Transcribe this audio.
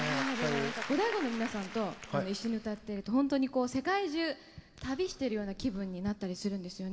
ゴダイゴの皆さんと一緒に歌ってると本当に世界中旅してるような気分になったりするんですよね。